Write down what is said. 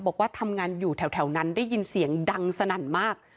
บอกว่าทำงานอยู่แถวนั้นได้ยินเสียงดังสนั่นมาก